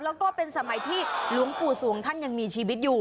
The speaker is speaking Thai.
แล้วก็เป็นสมัยที่หลวงปู่สวงท่านยังมีชีวิตอยู่